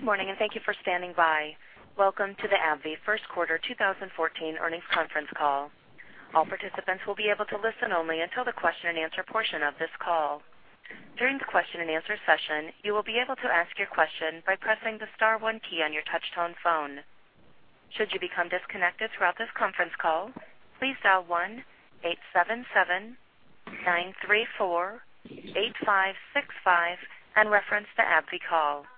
Good morning, thank you for standing by. Welcome to the AbbVie first quarter 2014 Earnings Conference Call. All participants will be able to listen only until the question and answer portion of this call. During the question and answer session, you will be able to ask your question by pressing the star 1 key on your touch-tone phone. Should you become disconnected throughout this conference call, please dial 1-877-934-8565 and reference the AbbVie call.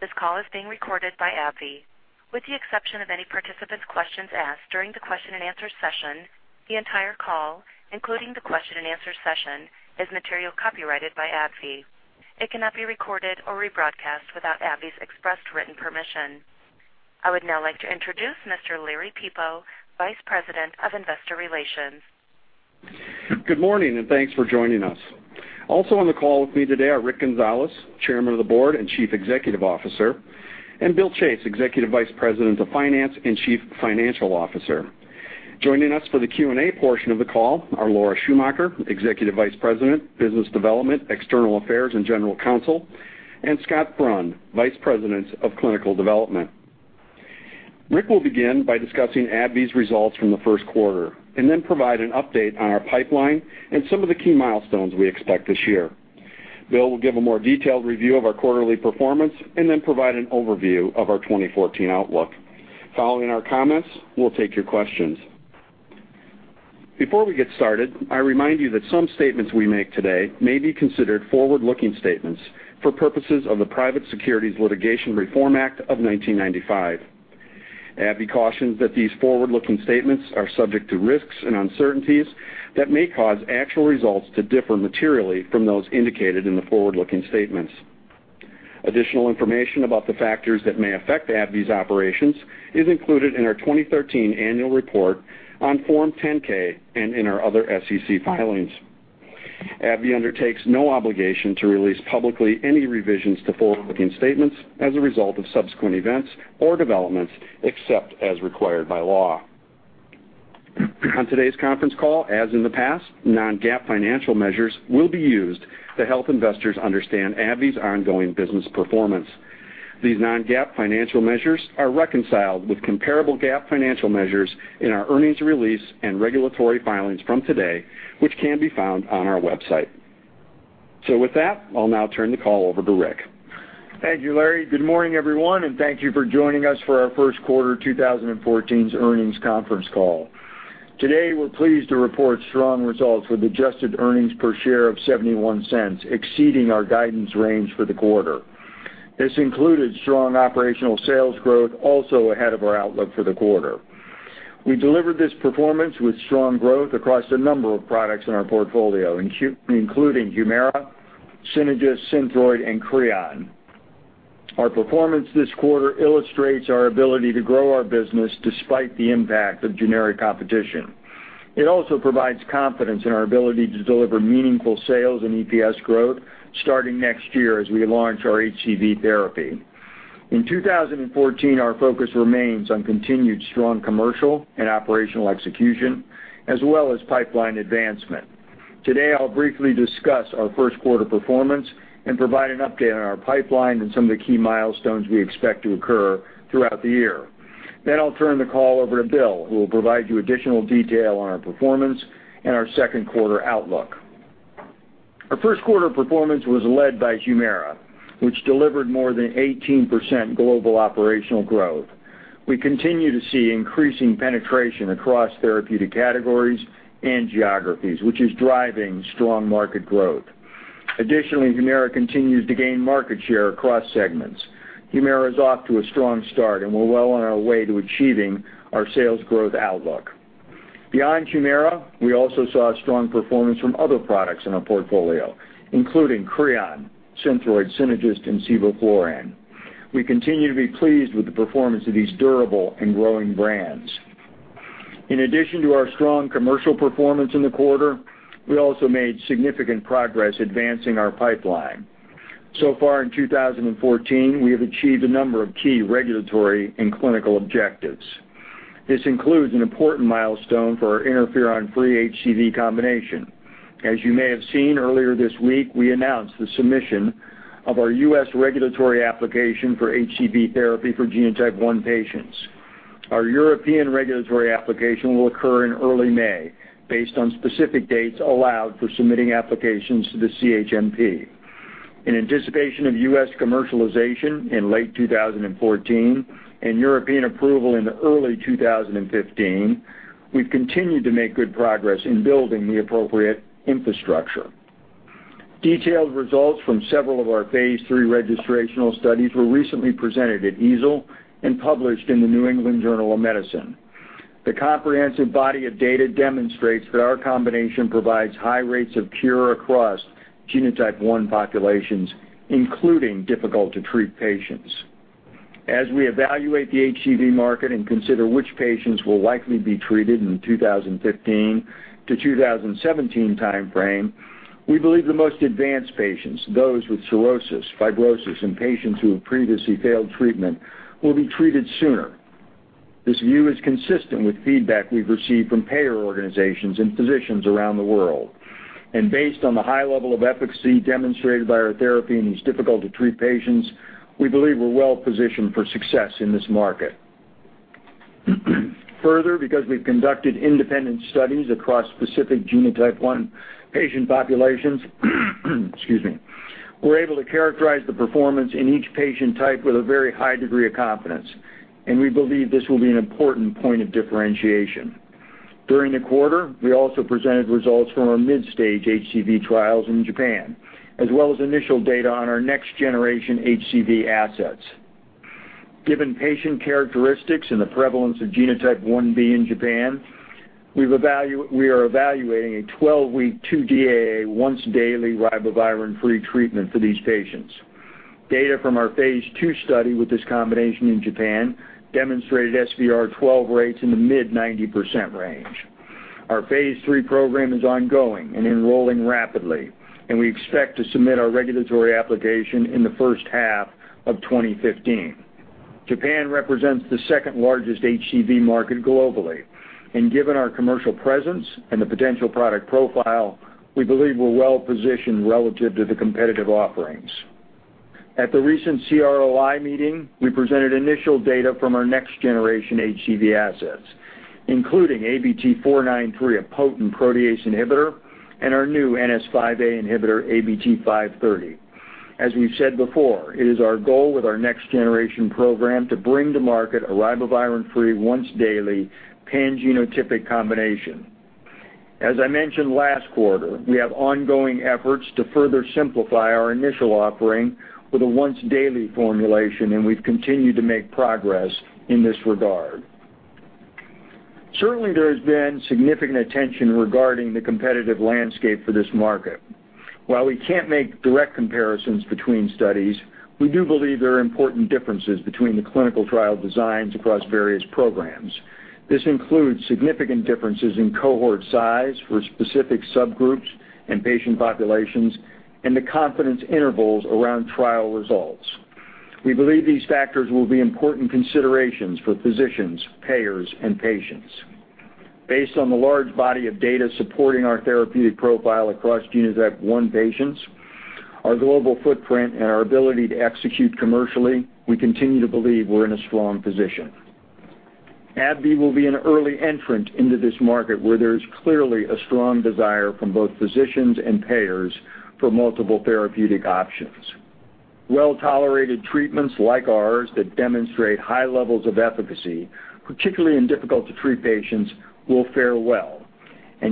This call is being recorded by AbbVie. With the exception of any participant's questions asked during the question and answer session, the entire call, including the question and answer session, is material copyrighted by AbbVie. It cannot be recorded or rebroadcast without AbbVie's expressed written permission. I would now like to introduce Mr. Larry Peepo, Vice President of Investor Relations. Good morning, thanks for joining us. Also on the call with me today are Rick Gonzalez, Chairman of the Board and Chief Executive Officer, and Bill Chase, Executive Vice President of Finance and Chief Financial Officer. Joining us for the Q&A portion of the call are Laura Schumacher, Executive Vice President, Business Development, External Affairs, and General Counsel, and Scott Brun, Vice President of Clinical Development. Rick will begin by discussing AbbVie's results from the first quarter and then provide an update on our pipeline and some of the key milestones we expect this year. Bill will give a more detailed review of our quarterly performance and then provide an overview of our 2014 outlook. Following our comments, we'll take your questions. Before we get started, I remind you that some statements we make today may be considered forward-looking statements for purposes of the Private Securities Litigation Reform Act of 1995. AbbVie cautions that these forward-looking statements are subject to risks and uncertainties that may cause actual results to differ materially from those indicated in the forward-looking statements. Additional information about the factors that may affect AbbVie's operations is included in our 2013 annual report on Form 10-K and in our other SEC filings. AbbVie undertakes no obligation to release publicly any revisions to forward-looking statements as a result of subsequent events or developments, except as required by law. On today's conference call, as in the past, non-GAAP financial measures will be used to help investors understand AbbVie's ongoing business performance. These non-GAAP financial measures are reconciled with comparable GAAP financial measures in our earnings release and regulatory filings from today, which can be found on our website. With that, I'll now turn the call over to Rick. Thank you, Larry. Good morning, everyone, and thank you for joining us for our first quarter 2014 earnings conference call. Today, we're pleased to report strong results with adjusted earnings per share of $0.71, exceeding our guidance range for the quarter. This included strong operational sales growth, also ahead of our outlook for the quarter. We delivered this performance with strong growth across a number of products in our portfolio, including HUMIRA, Synagis, SYNTHROID, and CREON. Our performance this quarter illustrates our ability to grow our business despite the impact of generic competition. It also provides confidence in our ability to deliver meaningful sales and EPS growth starting next year as we launch our HCV therapy. In 2014, our focus remains on continued strong commercial and operational execution, as well as pipeline advancement. Today, I'll briefly discuss our first quarter performance and provide an update on our pipeline and some of the key milestones we expect to occur throughout the year. I'll turn the call over to Bill, who will provide you additional detail on our performance and our second quarter outlook. Our first quarter performance was led by HUMIRA, which delivered more than 18% global operational growth. We continue to see increasing penetration across therapeutic categories and geographies, which is driving strong market growth. Additionally, HUMIRA continues to gain market share across segments. HUMIRA is off to a strong start, and we're well on our way to achieving our sales growth outlook. Beyond HUMIRA, we also saw strong performance from other products in our portfolio, including CREON, SYNTHROID, Synagis, and sevoflurane. We continue to be pleased with the performance of these durable and growing brands. In addition to our strong commercial performance in the quarter, we also made significant progress advancing our pipeline. So far in 2014, we have achieved a number of key regulatory and clinical objectives. This includes an important milestone for our interferon-free HCV combination. As you may have seen earlier this week, we announced the submission of our U.S. regulatory application for HCV therapy for genotype 1 patients. Our European regulatory application will occur in early May based on specific dates allowed for submitting applications to the CHMP. In anticipation of U.S. commercialization in late 2014 and European approval in early 2015, we've continued to make good progress in building the appropriate infrastructure. Detailed results from several of our phase III registrational studies were recently presented at EASL and published in The New England Journal of Medicine. The comprehensive body of data demonstrates that our combination provides high rates of cure across genotype 1 populations, including difficult-to-treat patients. As we evaluate the HCV market and consider which patients will likely be treated in the 2015-2017 timeframe, we believe the most advanced patients, those with cirrhosis, fibrosis, and patients who have previously failed treatment, will be treated sooner. This view is consistent with feedback we've received from payer organizations and physicians around the world. Based on the high level of efficacy demonstrated by our therapy in these difficult-to-treat patients, we believe we're well-positioned for success in this market. Further, because we've conducted independent studies across specific genotype 1 patient populations, excuse me, we're able to characterize the performance in each patient type with a very high degree of confidence, and we believe this will be an important point of differentiation. During the quarter, we also presented results from our midstage HCV trials in Japan, as well as initial data on our next-generation HCV assets. Given patient characteristics and the prevalence of genotype 1b in Japan, we are evaluating a 12-week, 2-DAA, once-daily ribavirin-free treatment for these patients. Data from our phase II study with this combination in Japan demonstrated SVR12 rates in the mid 90% range. Our phase III program is ongoing and enrolling rapidly, and we expect to submit our regulatory application in the first half of 2015. Japan represents the second-largest HCV market globally, and given our commercial presence and the potential product profile, we believe we're well-positioned relative to the competitive offerings. At the recent CROI meeting, we presented initial data from our next-generation HCV assets, including ABT-493, a potent protease inhibitor, and our new NS5A inhibitor, ABT-530. As we've said before, it is our goal with our next-generation program to bring to market a ribavirin-free, once-daily pan-genotypic combination. As I mentioned last quarter, we have ongoing efforts to further simplify our initial offering with a once-daily formulation, and we've continued to make progress in this regard. Certainly, there has been significant attention regarding the competitive landscape for this market. While we can't make direct comparisons between studies, we do believe there are important differences between the clinical trial designs across various programs. This includes significant differences in cohort size for specific subgroups and patient populations and the confidence intervals around trial results. We believe these factors will be important considerations for physicians, payers, and patients. Based on the large body of data supporting our therapeutic profile across genotype 1 patients, our global footprint, and our ability to execute commercially, we continue to believe we're in a strong position. AbbVie will be an early entrant into this market, where there is clearly a strong desire from both physicians and payers for multiple therapeutic options. Well-tolerated treatments like ours that demonstrate high levels of efficacy, particularly in difficult-to-treat patients, will fare well.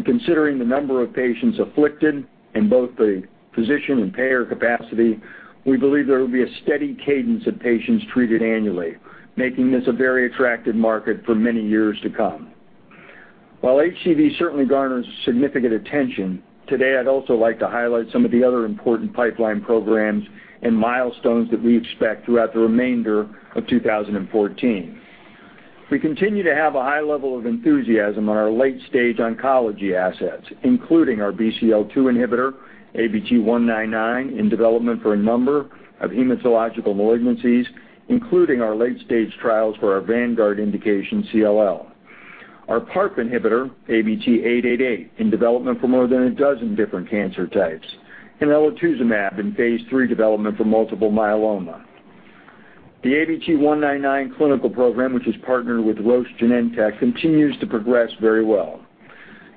Considering the number of patients afflicted in both the physician and payer capacity, we believe there will be a steady cadence of patients treated annually, making this a very attractive market for many years to come. While HCV certainly garners significant attention, today I'd also like to highlight some of the other important pipeline programs and milestones that we expect throughout the remainder of 2014. We continue to have a high level of enthusiasm on our late-stage oncology assets, including our BCL-2 inhibitor, ABT-199, in development for a number of hematological malignancies, including our late-stage trials for our vanguard indication, CLL; our PARP inhibitor, ABT-888, in development for more than a dozen different cancer types; and elotuzumab in phase III development for multiple myeloma. The ABT-199 clinical program, which is partnered with Roche Genentech, continues to progress very well.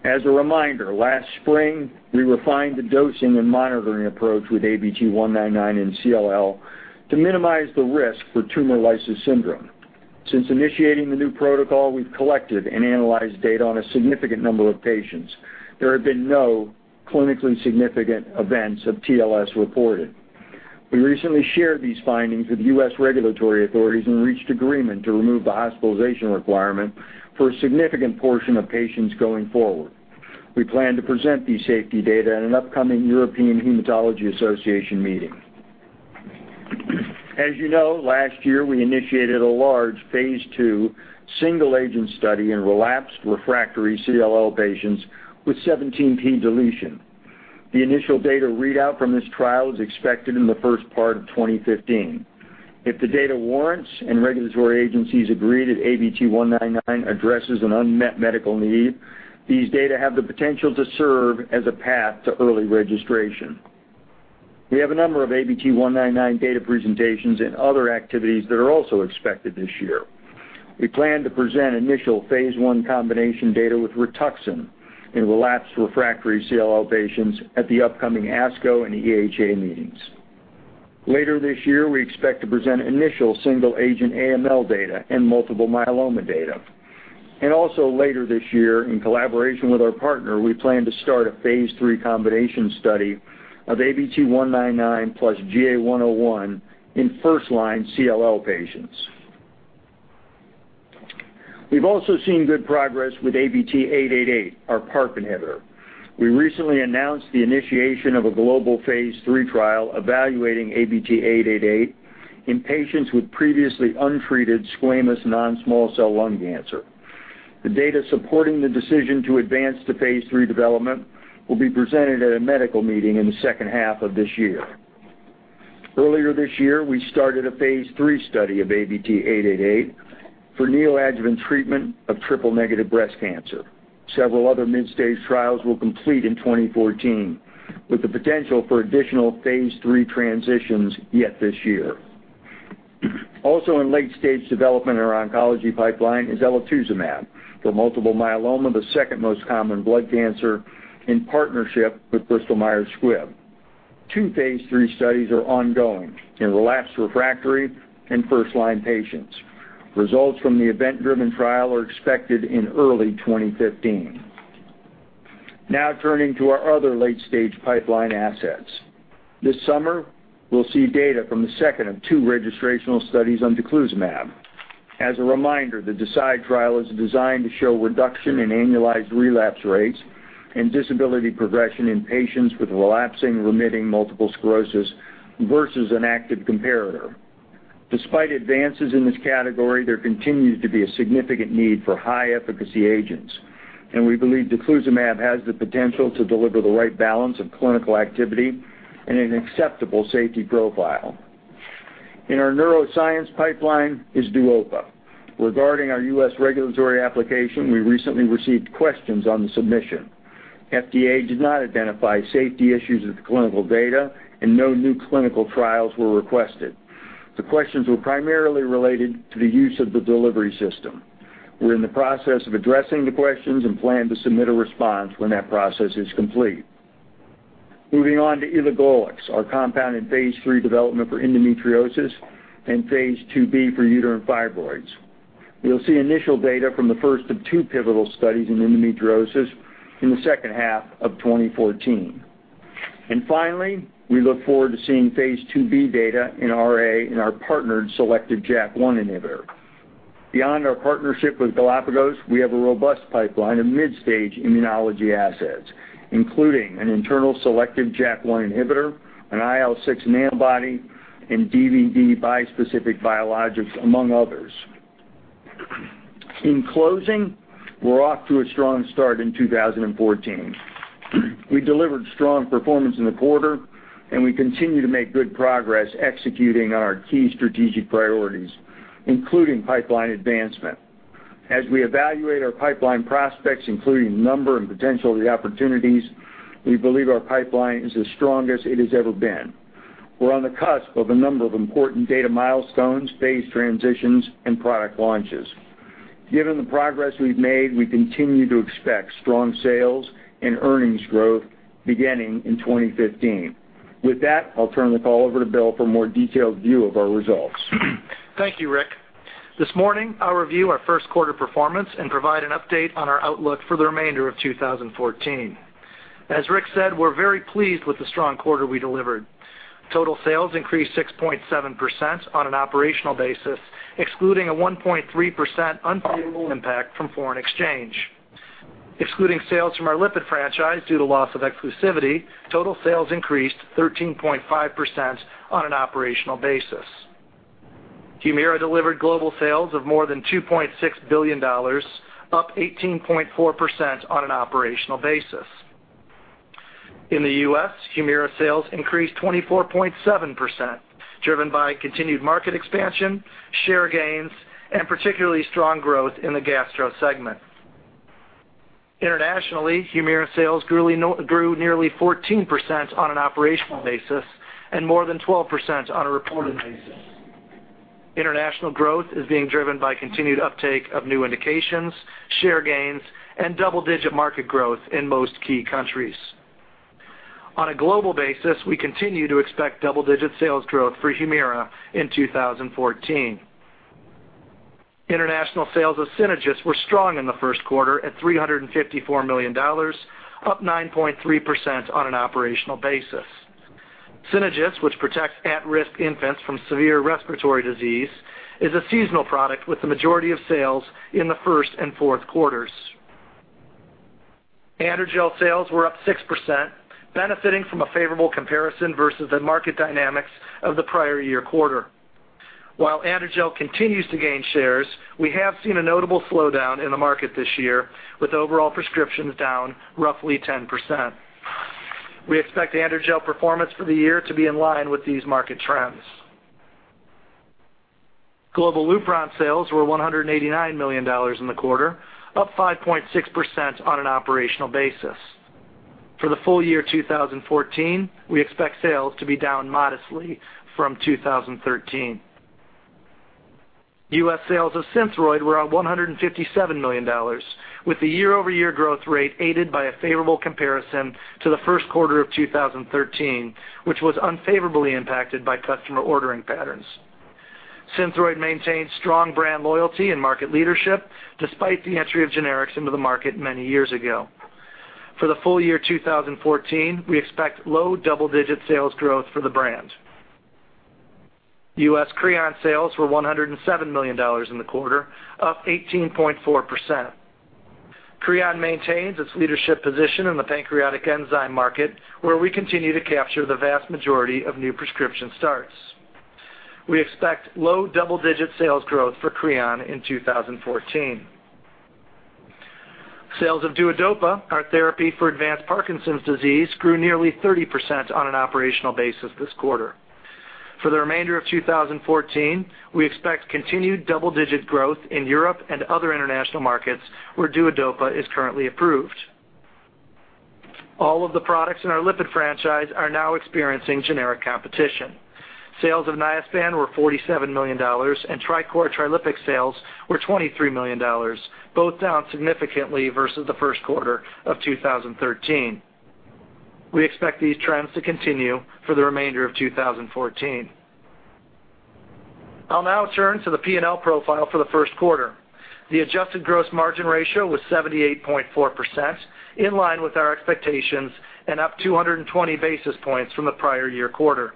As a reminder, last spring we refined the dosing and monitoring approach with ABT-199 in CLL to minimize the risk for tumor lysis syndrome. Since initiating the new protocol, we've collected and analyzed data on a significant number of patients. There have been no clinically significant events of TLS reported. We recently shared these findings with U.S. regulatory authorities and reached agreement to remove the hospitalization requirement for a significant portion of patients going forward. We plan to present these safety data at an upcoming European Hematology Association meeting. As you know, last year we initiated a large phase II single-agent study in relapsed/refractory CLL patients with 17p deletion. The initial data readout from this trial is expected in the first part of 2015. If the data warrants and regulatory agencies agree that ABT-199 addresses an unmet medical need, these data have the potential to serve as a path to early registration. We have a number of ABT-199 data presentations and other activities that are also expected this year. We plan to present initial phase I combination data with Rituxan in relapsed/refractory CLL patients at the upcoming ASCO and EHA meetings. Later this year, we expect to present initial single-agent AML data and multiple myeloma data. Also later this year, in collaboration with our partner, we plan to start a phase III combination study of ABT-199 plus GA101 in first-line CLL patients. We've also seen good progress with ABT-888, our PARP inhibitor. We recently announced the initiation of a global phase III trial evaluating ABT-888 in patients with previously untreated squamous non-small cell lung cancer. The data supporting the decision to advance to phase III development will be presented at a medical meeting in the second half of this year. Earlier this year, we started a phase III study of ABT-888 for neoadjuvant treatment of triple-negative breast cancer. Several other mid-stage trials will complete in 2014, with the potential for additional phase III transitions yet this year. Also in late-stage development in our oncology pipeline is elotuzumab for multiple myeloma, the second most common blood cancer, in partnership with Bristol Myers Squibb. 2 phase III studies are ongoing in relapsed/refractory and first-line patients. Results from the event-driven trial are expected in early 2015. Now turning to our other late-stage pipeline assets. This summer, we'll see data from the second of 2 registrational studies on daclizumab. As a reminder, the DECIDE trial is designed to show reduction in annualized relapse rates and disability progression in patients with relapsing-remitting multiple sclerosis versus an active comparator. Despite advances in this category, there continues to be a significant need for high-efficacy agents, and we believe daclizumab has the potential to deliver the right balance of clinical activity and an acceptable safety profile. In our neuroscience pipeline is Duopa. Regarding our U.S. regulatory application, we recently received questions on the submission. FDA did not identify safety issues with the clinical data, and no new clinical trials were requested. The questions were primarily related to the use of the delivery system. We're in the process of addressing the questions and plan to submit a response when that process is complete. Moving on to elagolix, our compound in phase III development for endometriosis and phase II-B for uterine fibroids. We'll see initial data from the first of 2 pivotal studies in endometriosis in the second half of 2014. Finally, we look forward to seeing phase II-B data in RA in our partnered selective JAK1 inhibitor. Beyond our partnership with Galapagos, we have a robust pipeline of mid-stage immunology assets, including an internal selective JAK1 inhibitor, an IL-6 nanobody, and DVD bispecific biologics, among others. In closing, we're off to a strong start in 2014. We delivered strong performance in the quarter, and we continue to make good progress executing on our key strategic priorities, including pipeline advancement. As we evaluate our pipeline prospects, including number and potential new opportunities, we believe our pipeline is the strongest it has ever been. We're on the cusp of a number of important data milestones, phase transitions, and product launches. Given the progress we've made, we continue to expect strong sales and earnings growth beginning in 2015. With that, I'll turn the call over to Bill for a more detailed view of our results. Thank you, Rick. This morning, I'll review our first quarter performance and provide an update on our outlook for the remainder of 2014. As Rick said, we're very pleased with the strong quarter we delivered. Total sales increased 6.7% on an operational basis, excluding a 1.3% unfavorable impact from foreign exchange. Excluding sales from our lipid franchise due to loss of exclusivity, total sales increased 13.5% on an operational basis. HUMIRA delivered global sales of more than $2.6 billion, up 18.4% on an operational basis. In the U.S., HUMIRA sales increased 24.7%, driven by continued market expansion, share gains, and particularly strong growth in the gastro segment. Internationally, HUMIRA sales grew nearly 14% on an operational basis and more than 12% on a reported basis. International growth is being driven by continued uptake of new indications, share gains, and double-digit market growth in most key countries. On a global basis, we continue to expect double-digit sales growth for HUMIRA in 2014. International sales of SYNAGIS were strong in the first quarter at $354 million, up 9.3% on an operational basis. SYNAGIS, which protects at-risk infants from severe respiratory disease, is a seasonal product with the majority of sales in the first and fourth quarters. AndroGel sales were up 6%, benefiting from a favorable comparison versus the market dynamics of the prior year quarter. While AndroGel continues to gain shares, we have seen a notable slowdown in the market this year, with overall prescriptions down roughly 10%. We expect AndroGel performance for the year to be in line with these market trends. Global Lupron sales were $189 million in the quarter, up 5.6% on an operational basis. For the full year 2014, we expect sales to be down modestly from 2013. U.S. sales of SYNTHROID were at $157 million, with the year-over-year growth rate aided by a favorable comparison to the first quarter of 2013, which was unfavorably impacted by customer ordering patterns. SYNTHROID maintains strong brand loyalty and market leadership despite the entry of generics into the market many years ago. For the full year 2014, we expect low double-digit sales growth for the brand. U.S. CREON sales were $107 million in the quarter, up 18.4%. CREON maintains its leadership position in the pancreatic enzyme market, where we continue to capture the vast majority of new prescription starts. We expect low double-digit sales growth for CREON in 2014. Sales of DUODOPA, our therapy for advanced Parkinson's disease, grew nearly 30% on an operational basis this quarter. For the remainder of 2014, we expect continued double-digit growth in Europe and other international markets where DUODOPA is currently approved. All of the products in our lipid franchise are now experiencing generic competition. Sales of NIASPAN were $47 million, and TRICOR and TRILIPIX sales were $23 million, both down significantly versus the first quarter of 2013. We expect these trends to continue for the remainder of 2014. I'll now turn to the P&L profile for the first quarter. The adjusted gross margin ratio was 78.4%, in line with our expectations and up 220 basis points from the prior year quarter.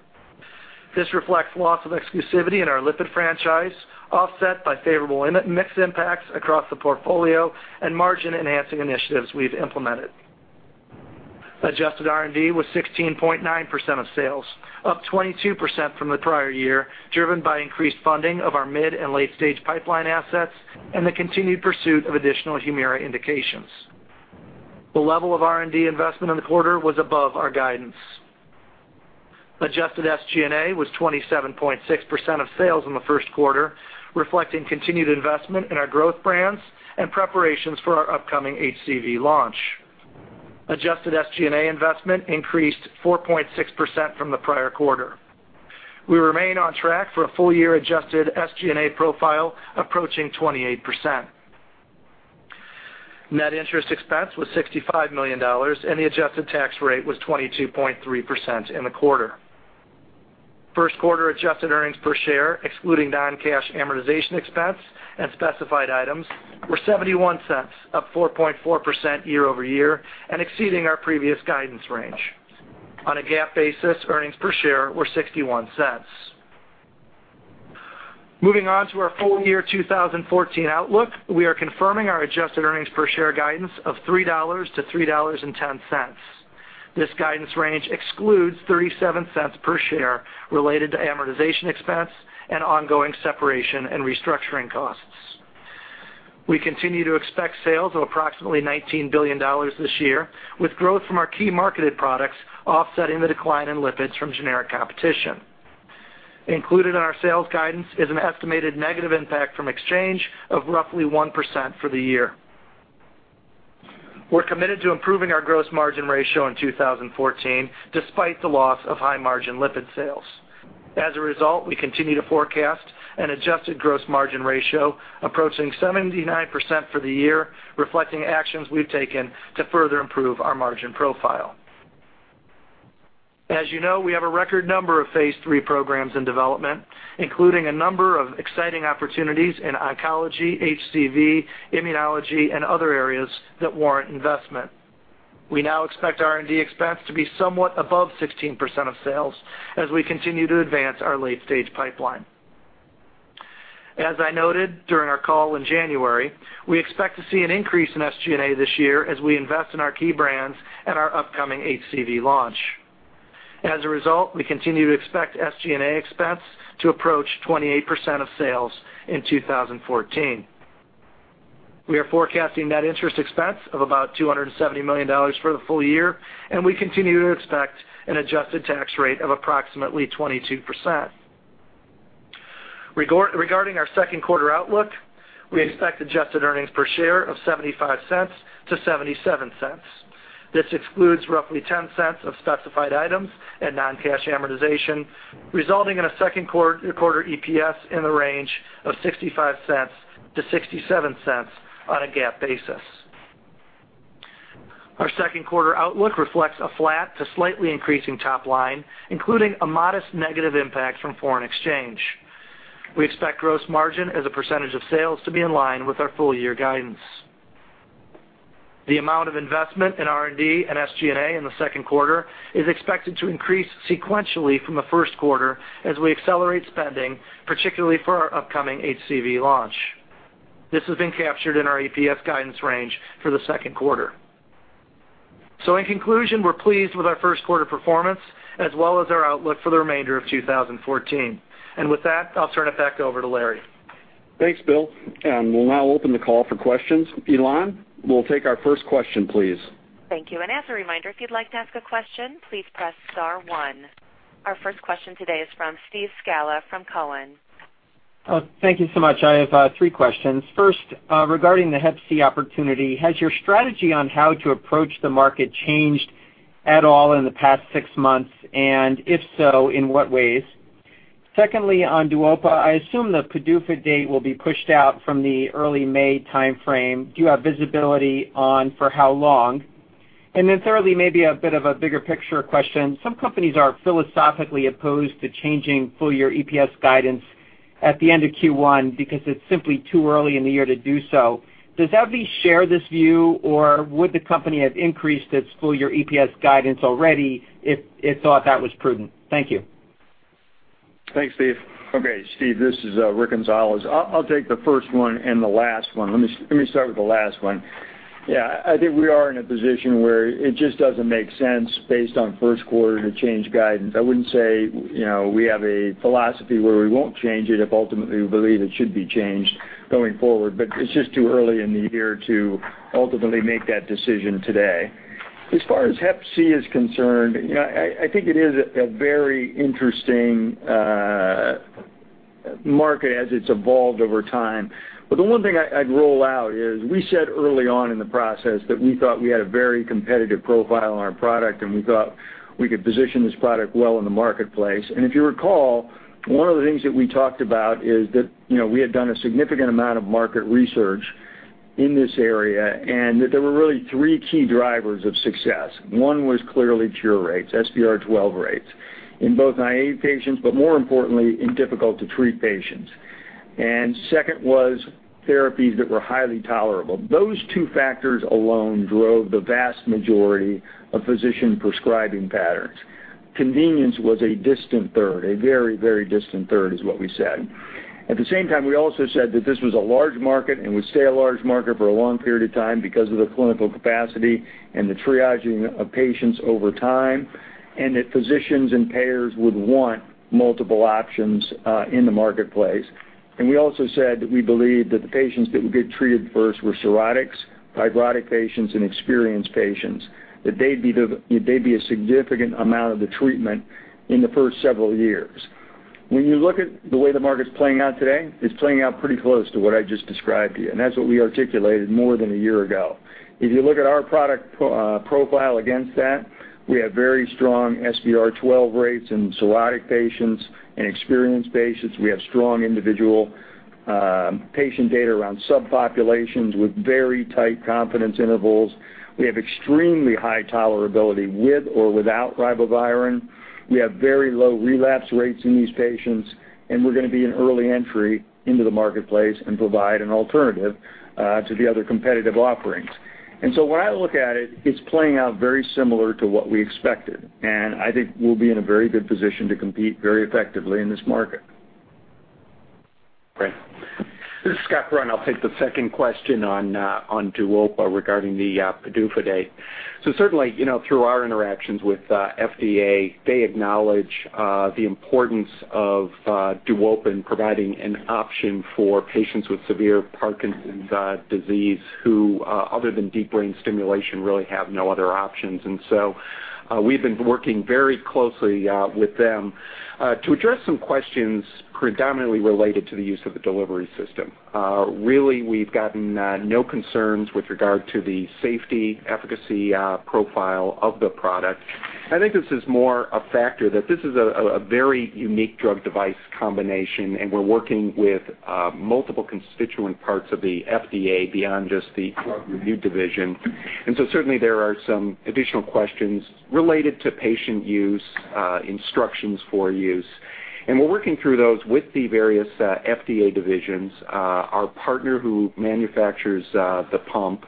This reflects loss of exclusivity in our lipid franchise, offset by favorable mix impacts across the portfolio and margin-enhancing initiatives we've implemented. Adjusted R&D was 16.9% of sales, up 22% from the prior year, driven by increased funding of our mid and late-stage pipeline assets and the continued pursuit of additional HUMIRA indications. The level of R&D investment in the quarter was above our guidance. Adjusted SG&A was 27.6% of sales in the first quarter, reflecting continued investment in our growth brands and preparations for our upcoming HCV launch. Adjusted SG&A investment increased 4.6% from the prior quarter. We remain on track for a full-year adjusted SG&A profile approaching 28%. Net interest expense was $65 million, and the adjusted tax rate was 22.3% in the quarter. First quarter adjusted earnings per share, excluding non-cash amortization expense and specified items, were $0.71, up 4.4% year-over-year, and exceeding our previous guidance range. On a GAAP basis, earnings per share were $0.61. Moving on to our full year 2014 outlook, we are confirming our adjusted earnings per share guidance of $3-$3.10. This guidance range excludes $0.37 per share related to amortization expense and ongoing separation and restructuring costs. We continue to expect sales of approximately $19 billion this year, with growth from our key marketed products offsetting the decline in lipids from generic competition. Included in our sales guidance is an estimated negative impact from exchange of roughly 1% for the year. We're committed to improving our gross margin ratio in 2014, despite the loss of high-margin lipid sales. As a result, we continue to forecast an adjusted gross margin ratio approaching 79% for the year, reflecting actions we've taken to further improve our margin profile. As you know, we have a record number of phase III programs in development, including a number of exciting opportunities in oncology, HCV, immunology, and other areas that warrant investment. We now expect R&D expense to be somewhat above 16% of sales as we continue to advance our late-stage pipeline. As I noted during our call in January, we expect to see an increase in SG&A this year as we invest in our key brands and our upcoming HCV launch. As a result, we continue to expect SG&A expense to approach 28% of sales in 2014. We are forecasting net interest expense of about $270 million for the full year, and we continue to expect an adjusted tax rate of approximately 22%. Regarding our second quarter outlook, we expect adjusted earnings per share of $0.75-$0.77. This excludes roughly $0.10 of specified items and non-cash amortization, resulting in a second quarter EPS in the range of $0.65-$0.67 on a GAAP basis. Our second quarter outlook reflects a flat to slightly increasing top line, including a modest negative impact from foreign exchange. We expect gross margin as a percentage of sales to be in line with our full-year guidance. The amount of investment in R&D and SG&A in the second quarter is expected to increase sequentially from the first quarter as we accelerate spending, particularly for our upcoming HCV launch. This has been captured in our EPS guidance range for the second quarter. In conclusion, we're pleased with our first quarter performance as well as our outlook for the remainder of 2014. With that, I'll turn it back over to Larry. Thanks, Bill. We'll now open the call for questions. Elan, we'll take our first question, please. Thank you. As a reminder, if you'd like to ask a question, please press star one. Our first question today is from Steve Scala from Cowen. Thank you so much. I have three questions. First, regarding the hep C opportunity, has your strategy on how to approach the market changed at all in the past six months, and if so, in what ways? Secondly, on DUODOPA, I assume the PDUFA date will be pushed out from the early May timeframe. Do you have visibility on for how long? Then thirdly, maybe a bit of a bigger picture question. Some companies are philosophically opposed to changing full-year EPS guidance at the end of Q1 because it's simply too early in the year to do so. Does AbbVie share this view, or would the company have increased its full-year EPS guidance already if it thought that was prudent? Thank you. Thanks, Steve. Okay, Steve, this is Rick Gonzalez. I'll take the first one and the last one. Let me start with the last one. Yeah, I think we are in a position where it just doesn't make sense based on first quarter to change guidance. I wouldn't say we have a philosophy where we won't change it if ultimately we believe it should be changed going forward, it's just too early in the year to ultimately make that decision today. As far as HCV is concerned, I think it is a very interesting market as it's evolved over time. The one thing I'd roll out is we said early on in the process that we thought we had a very competitive profile on our product, and we thought we could position this product well in the marketplace. If you recall, one of the things that we talked about is that we had done a significant amount of market research in this area, and that there were really three key drivers of success. One was clearly cure rates, SVR12 rates in both naive patients, but more importantly, in difficult-to-treat patients. Second was therapies that were highly tolerable. Those two factors alone drove the vast majority of physician prescribing patterns. Convenience was a distant third, a very, very distant third is what we said. At the same time, we also said that this was a large market and would stay a large market for a long period of time because of the clinical capacity and the triaging of patients over time, and that physicians and payers would want multiple options in the marketplace. We also said that we believed that the patients that would get treated first were cirrhotics, fibrotic patients, and experienced patients, that they'd be a significant amount of the treatment in the first several years. When you look at the way the market's playing out today, it's playing out pretty close to what I just described to you, and that's what we articulated more than a year ago. If you look at our product profile against that, we have very strong SVR12 rates in cirrhotic patients and experienced patients. We have strong individual patient data around subpopulations with very tight confidence intervals. We have extremely high tolerability with or without ribavirin. We have very low relapse rates in these patients, and we're going to be an early entry into the marketplace and provide an alternative to the other competitive offerings. When I look at it's playing out very similar to what we expected, and I think we'll be in a very good position to compete very effectively in this market. Great. This is Scott Brun. I'll take the second question on DUOPA regarding the PDUFA date. Certainly, through our interactions with FDA, they acknowledge the importance of DUOPA in providing an option for patients with severe Parkinson's disease who, other than deep brain stimulation, really have no other options. We've been working very closely with them to address some questions predominantly related to the use of the delivery system. Really, we've gotten no concerns with regard to the safety efficacy profile of the product. I think this is more a factor that this is a very unique drug device combination, and we're working with multiple constituent parts of the FDA beyond just the drug review division. Certainly, there are some additional questions related to patient use, instructions for use. We're working through those with the various FDA divisions, our partner who manufactures the pump,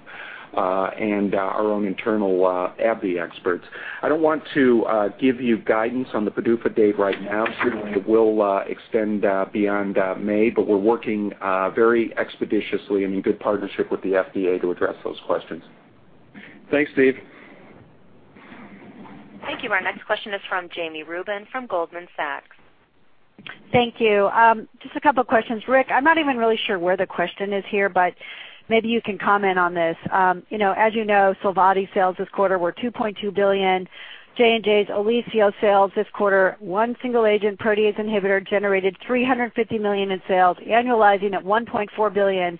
and our own internal AbbVie experts. I don't want to give you guidance on the PDUFA date right now. Certainly, it will extend beyond May, but we're working very expeditiously in good partnership with the FDA to address those questions. Thanks, Steve. Thank you. Our next question is from Jami Rubin from Goldman Sachs. Thank you. Just a couple of questions. Rick, I'm not even really sure where the question is here, but maybe you can comment on this. As you know, Sovaldi sales this quarter were $2.2 billion. Johnson & Johnson's Olysio sales this quarter, one single agent protease inhibitor generated $350 million in sales, annualizing at $1.4 billion.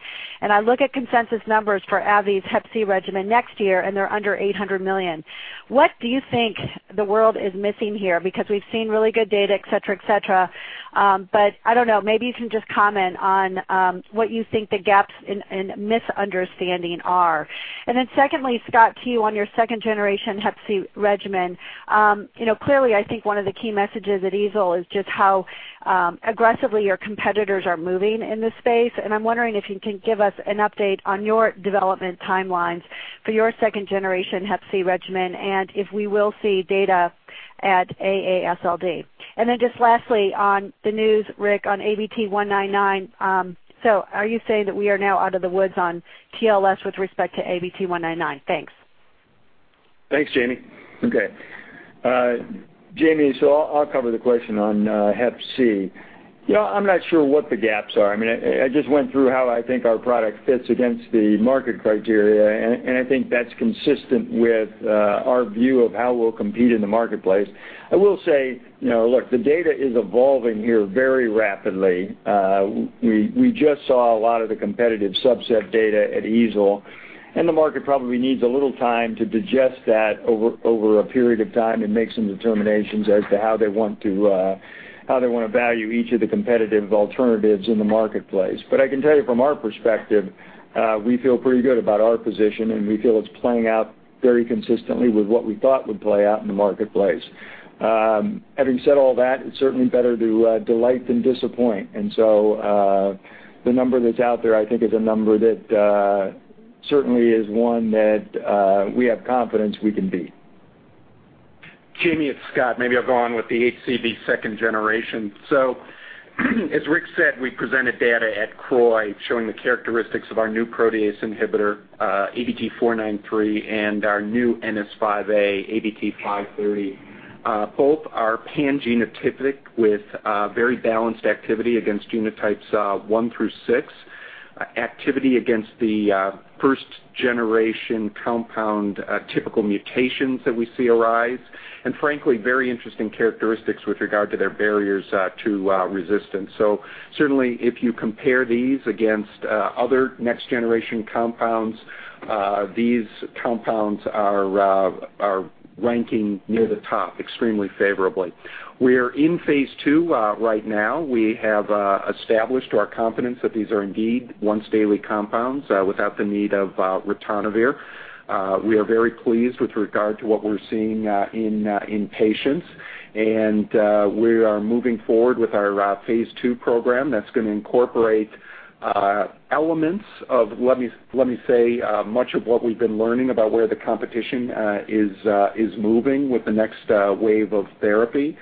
I look at consensus numbers for AbbVie's hep C regimen next year, and they're under $800 million. What do you think the world is missing here? Because we've seen really good data, et cetera. I don't know, maybe you can just comment on what you think the gaps in misunderstanding are. And then secondly, Scott, to you on your second-generation hep C regimen. Clearly, I think one of the key messages at EASL is just how aggressively your competitors are moving in this space, and I'm wondering if you can give us an update on your development timelines for your second-generation hep C regimen and if we will see data at AASLD. Just lastly, on the news, Rick, on ABT-199. Are you saying that we are now out of the woods on TLS with respect to ABT-199? Thanks. Thanks, Jami. Okay. Jami, I'll cover the question on hep C. I'm not sure what the gaps are. I just went through how I think our product fits against the market criteria, and I think that's consistent with our view of how we'll compete in the marketplace. I will say, look, the data is evolving here very rapidly. We just saw a lot of the competitive subset data at EASL, the market probably needs a little time to digest that over a period of time and make some determinations as to how they want to value each of the competitive alternatives in the marketplace. I can tell you from our perspective, we feel pretty good about our position, and we feel it's playing out very consistently with what we thought would play out in the marketplace. Having said all that, it's certainly better to delight than disappoint. The number that's out there, I think, is a number that certainly is one that we have confidence we can beat. Jami, it's Scott. Maybe I'll go on with the HCV second generation. As Rick said, we presented data at CROI showing the characteristics of our new protease inhibitor, ABT-493, and our new NS5A, ABT-530. Both are pan-genotypic with very balanced activity against genotypes 1 through 6. Activity against the first-generation compound, typical mutations that we see arise, and frankly, very interesting characteristics with regard to their barriers to resistance. Certainly, if you compare these against other next-generation compounds, these compounds are ranking near the top extremely favorably. We are in phase II right now. We have established to our confidence that these are indeed once-daily compounds without the need of ritonavir. We are very pleased with regard to what we're seeing in patients, and we are moving forward with our phase II program that's going to incorporate elements of, let me say, much of what we've been learning about where the competition is moving with the next wave of therapy.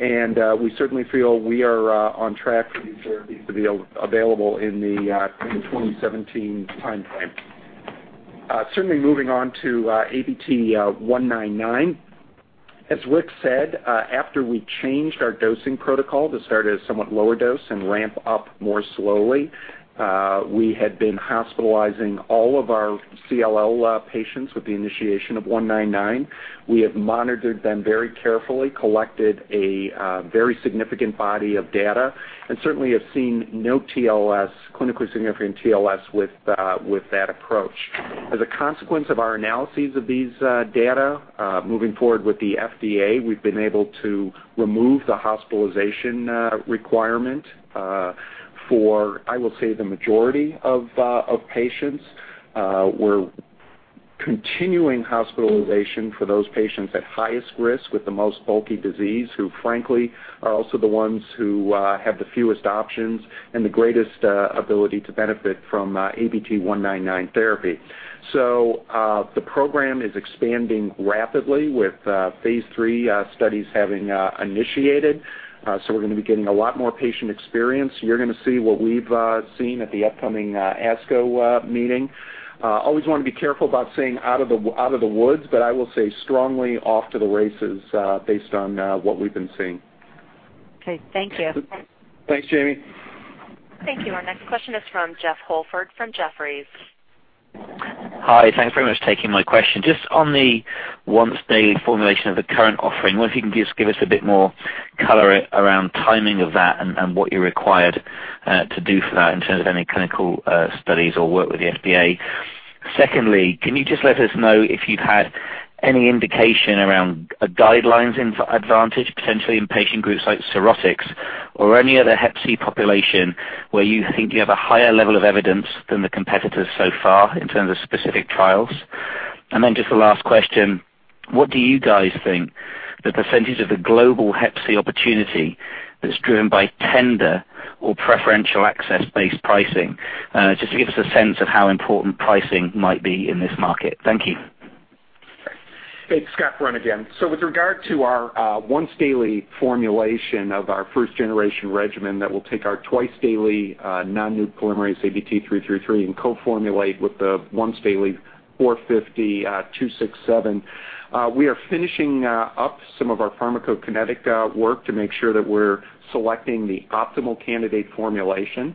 We certainly feel we are on track for these therapies to be available in the 2017 timeframe. Certainly moving on to ABT-199. As Rick said, after we changed our dosing protocol to start at a somewhat lower dose and ramp up more slowly, we had been hospitalizing all of our CLL patients with the initiation of 199. We have monitored them very carefully, collected a very significant body of data, and certainly have seen no clinically significant TLS with that approach. As a consequence of our analyses of these data, moving forward with the FDA, we've been able to remove the hospitalization requirement for, I will say, the majority of patients. We're continuing hospitalization for those patients at highest risk with the most bulky disease, who frankly, are also the ones who have the fewest options and the greatest ability to benefit from ABT-199 therapy. The program is expanding rapidly with phase III studies having initiated. You're going to see what we've seen at the upcoming ASCO meeting. Always want to be careful about saying out of the woods, but I will say strongly off to the races based on what we've been seeing. Okay. Thank you. Thanks, Jami. Thank you. Our next question is from Jeff Holford from Jefferies. Hi. Thanks very much for taking my question. Just on the once-daily formulation of the current offering, what if you can just give us a bit more color around timing of that and what you're required to do for that in terms of any clinical studies or work with the FDA. Secondly, can you just let us know if you've had any indication around guidelines advantage, potentially in patient groups like cirrhotics or any other hep C population where you think you have a higher level of evidence than the competitors so far in terms of specific trials? Then just the last question, what do you guys think the % of the global hep C opportunity that's driven by tender or preferential access-based pricing? Just to give us a sense of how important pricing might be in this market. Thank you. Thanks. Scott Brun again. With regard to our once-daily formulation of our first-generation regimen that will take our twice-daily non-nuc polymerase ABT-333 and co-formulate with the once-daily 450-267. We are finishing up some of our pharmacokinetic work to make sure that we're selecting the optimal candidate formulation.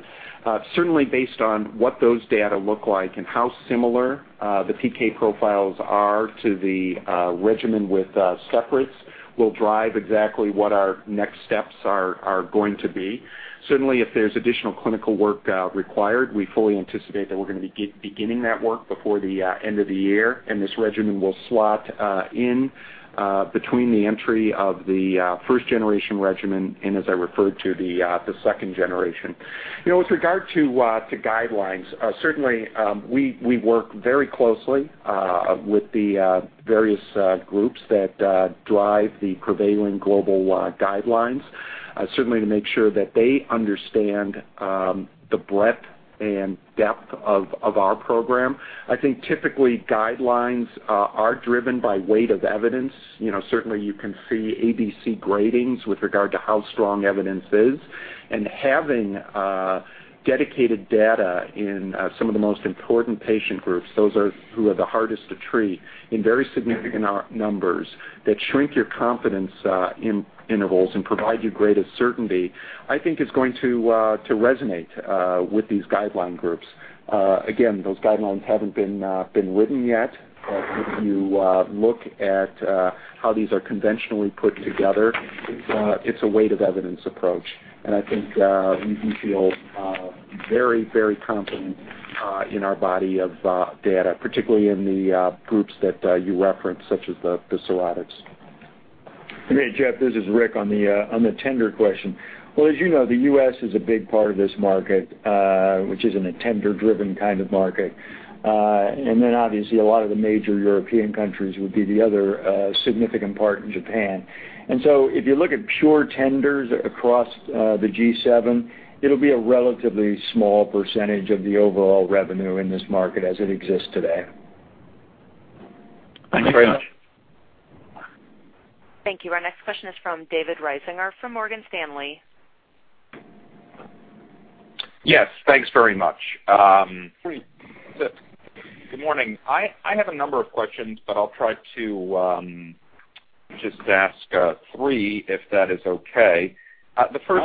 Certainly, based on what those data look like and how similar the PK profiles are to the regimen with separates will drive exactly what our next steps are going to be. Certainly, if there's additional clinical work required, we fully anticipate that we're going to be beginning that work before the end of the year, and this regimen will slot in between the entry of the first-generation regimen and as I referred to, the second generation. With regard to guidelines, certainly, we work very closely with the various groups that drive the prevailing global guidelines, certainly to make sure that they understand the breadth and depth of our program. I think typically guidelines are driven by weight of evidence. Certainly, you can see ABC gradings with regard to how strong evidence is, and having dedicated data in some of the most important patient groups, those who are the hardest to treat in very significant numbers that shrink your confidence intervals and provide you greater certainty, I think is going to resonate with these guideline groups. Again, those guidelines haven't been written yet. If you look at how these are conventionally put together, it's a weight of evidence approach, and I think we feel very competent in our body of data, particularly in the groups that you referenced, such as the cirrhotics. Great, Jeff. This is Rick on the tender question. Well, as you know, the U.S. is a big part of this market, which isn't a tender-driven kind of market. Obviously, a lot of the major European countries would be the other significant part in Japan. If you look at pure tenders across the G7, it'll be a relatively small percentage of the overall revenue in this market as it exists today. Thanks very much. Thank you. Our next question is from David Risinger from Morgan Stanley. Yes, thanks very much. Good morning. I have a number of questions, but I'll try to just ask three, if that is okay. Sure.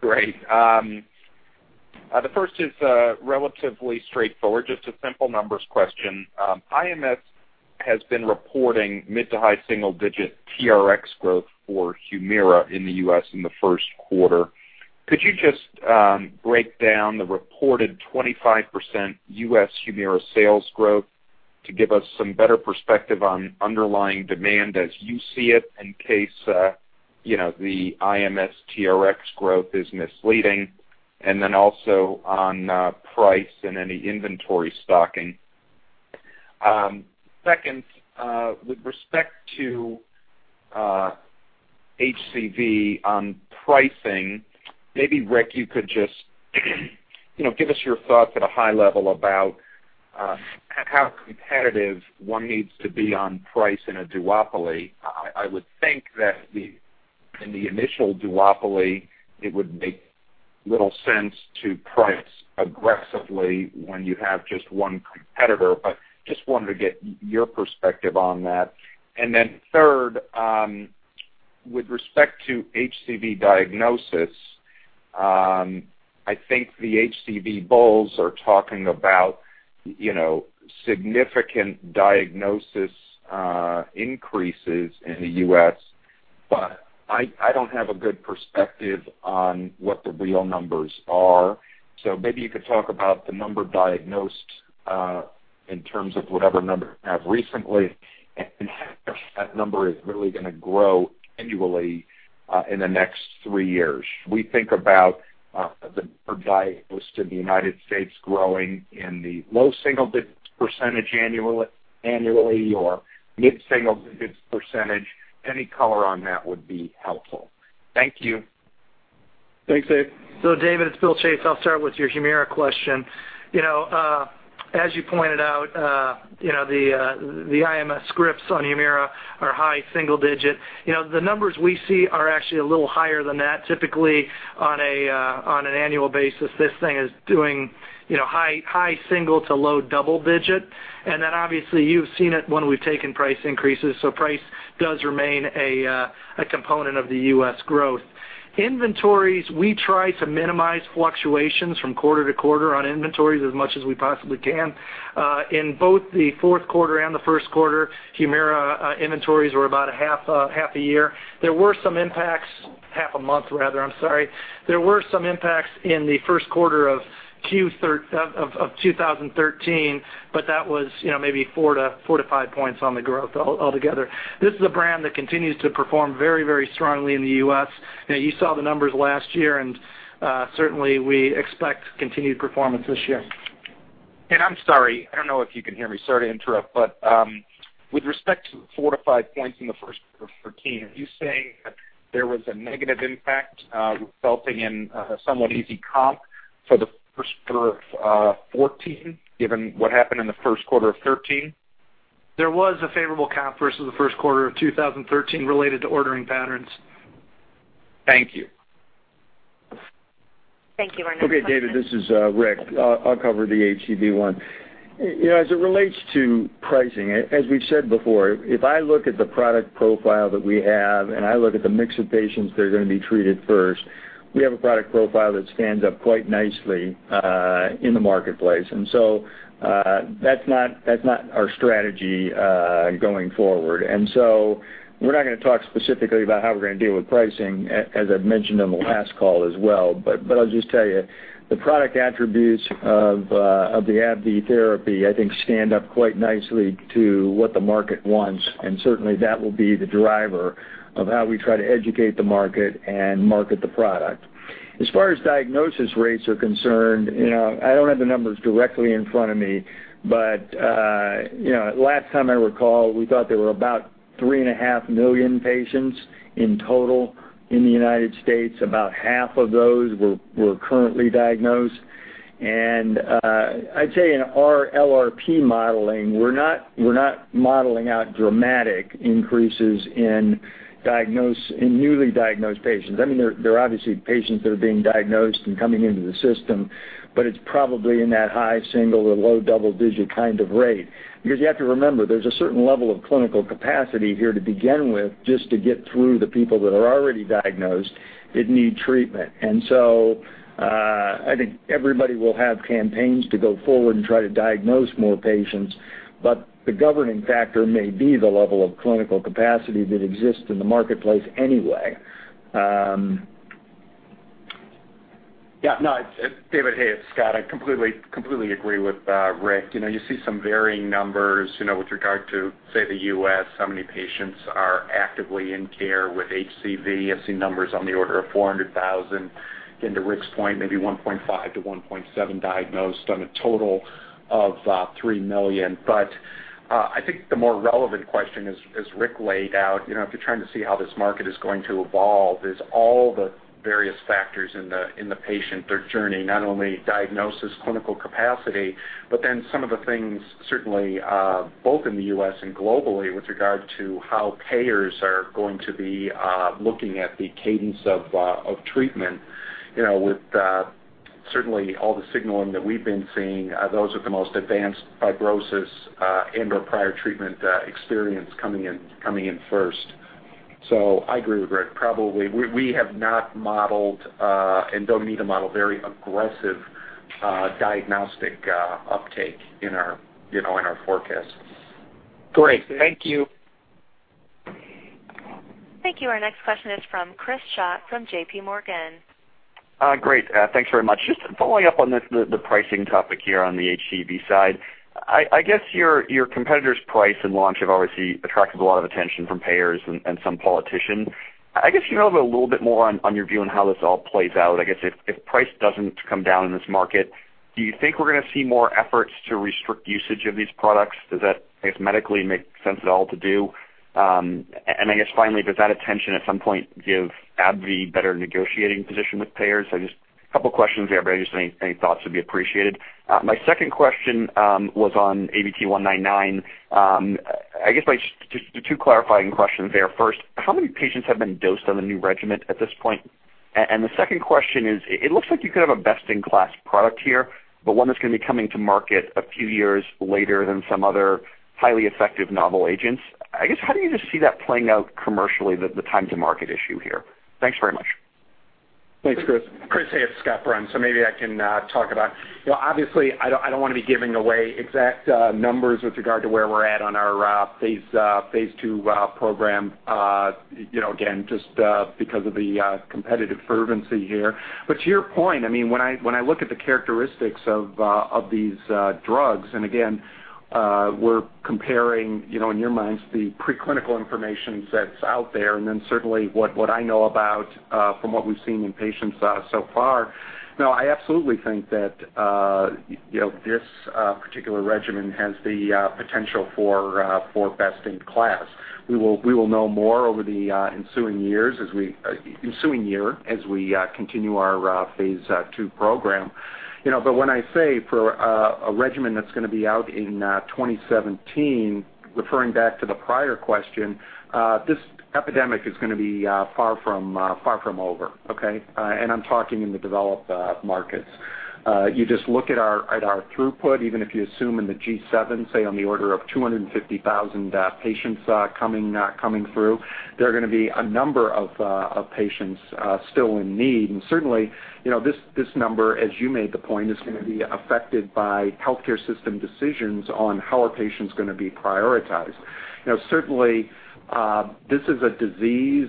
Great. The first is relatively straightforward, just a simple numbers question. IMS has been reporting mid to high single-digit TRX growth for HUMIRA in the U.S. in the first quarter. Could you just break down the reported 25% U.S. HUMIRA sales growth to give us some better perspective on underlying demand as you see it in case the IMS TRX growth is misleading, also on price and any inventory stocking? Second, with respect to HCV on pricing, maybe Rick, you could just give us your thoughts at a high level about how competitive one needs to be on price in a duopoly. I would think that in the initial duopoly, it would make little sense to price aggressively when you have just one competitor, just wanted to get your perspective on that. Third, with respect to HCV diagnosis, I think the HCV bulls are talking about significant diagnosis increases in the U.S. I don't have a good perspective on what the real numbers are. Maybe you could talk about the number diagnosed in terms of whatever numbers you have recently, and how much that number is really going to grow annually in the next three years. We think about the number diagnosed in the United States growing in the low single digits % annually or mid-single digits %. Any color on that would be helpful. Thank you. Thanks, Dave. David, it's Bill Chase. I'll start with your HUMIRA question. As you pointed out, the IMS scripts on HUMIRA are high single digit. The numbers we see are actually a little higher than that. Typically, on an annual basis, this thing is doing high single to low double digit. Obviously you've seen it when we've taken price increases, price does remain a component of the U.S. growth. Inventories, we try to minimize fluctuations from quarter-over-quarter on inventories as much as we possibly can. In both the fourth quarter and the first quarter, HUMIRA inventories were about a half a year. Half a month rather, I'm sorry. There were some impacts in the first quarter of 2013, but that was maybe four to five points on the growth altogether. This is a brand that continues to perform very strongly in the U.S. You saw the numbers last year, certainly we expect continued performance this year. I'm sorry, I don't know if you can hear me. Sorry to interrupt, with respect to the four to five points in the first quarter of 2014, are you saying that there was a negative impact resulting in a somewhat easy comp for the first quarter of 2014, given what happened in the first quarter of 2013? There was a favorable comp versus the first quarter of 2013 related to ordering patterns. Thank you. Thank you. Our next question. Okay, David, this is Rick. I'll cover the HCV one. As it relates to pricing, as we've said before, if I look at the product profile that we have and I look at the mix of patients that are going to be treated first, we have a product profile that stands up quite nicely in the marketplace. That's not our strategy going forward. We're not going to talk specifically about how we're going to deal with pricing, as I've mentioned on the last call as well. I'll just tell you, the product attributes of the AbbVie therapy, I think stand up quite nicely to what the market wants, and certainly that will be the driver of how we try to educate the market and market the product. As far as diagnosis rates are concerned, I don't have the numbers directly in front of me, but last time I recall, we thought there were about 3.5 million patients in total in the U.S. About half of those were currently diagnosed. I'd say in our LRP modeling, we're not modeling out dramatic increases in newly diagnosed patients. There are obviously patients that are being diagnosed and coming into the system, but it's probably in that high single or low double digit kind of rate. You have to remember, there's a certain level of clinical capacity here to begin with, just to get through the people that are already diagnosed that need treatment. Everybody will have campaigns to go forward and try to diagnose more patients, but the governing factor may be the level of clinical capacity that exists in the marketplace anyway. No. David, hey, it's Scott. I completely agree with Rick. You see some varying numbers with regard to, say, the U.S., how many patients are actively in care with HCV. I've seen numbers on the order of 400,000. Then to Rick's point, maybe 1.5-1.7 diagnosed on a total of 3 million. I think the more relevant question is, as Rick laid out, if you're trying to see how this market is going to evolve, is all the various factors in the patient, their journey, not only diagnosis, clinical capacity, but then some of the things certainly both in the U.S. and globally with regard to how payers are going to be looking at the cadence of treatment with Certainly all the signaling that we've been seeing, those with the most advanced fibrosis and/or prior treatment experience coming in first. I agree with Rick. We have not modeled, and don't need to model, very aggressive diagnostic uptake in our forecast. Great. Thank you. Thank you. Our next question is from Christopher Schott from J.P. Morgan. Great. Thanks very much. Just following up on the pricing topic here on the HCV side. I guess your competitor's price and launch have obviously attracted a lot of attention from payers and some politicians. I guess if you could elaborate a little bit more on your view on how this all plays out. I guess if price doesn't come down in this market, do you think we're going to see more efforts to restrict usage of these products? Does that, I guess, medically make sense at all to do? I guess finally, does that attention at some point give AbbVie better negotiating position with payers? Just a couple of questions there, but I just think any thoughts would be appreciated. My second question was on ABT-199. I guess just two clarifying questions there. First, how many patients have been dosed on the new regimen at this point? The second question is, it looks like you could have a best-in-class product here, but one that's going to be coming to market a few years later than some other highly effective novel agents. I guess how do you just see that playing out commercially, the time to market issue here? Thanks very much. Thanks, Chris. Chris, hey, it's Scott Bruno. Maybe I can talk about it. Obviously, I don't want to be giving away exact numbers with regard to where we're at on our phase II program, again, just because of the competitive fervency here. To your point, when I look at the characteristics of these drugs, and again, we're comparing, in your minds, the pre-clinical information that's out there, and then certainly what I know about from what we've seen in patients so far. No, I absolutely think that this particular regimen has the potential for best in class. We will know more over the ensuing year as we continue our phase II program. When I say for a regimen that's going to be out in 2017, referring back to the prior question, this epidemic is going to be far from over, okay? I'm talking in the developed markets. You just look at our throughput, even if you assume in the G7, say on the order of 250,000 patients coming through, there are going to be a number of patients still in need. Certainly, this number, as you made the point, is going to be affected by healthcare system decisions on how a patient's going to be prioritized. Certainly, this is a disease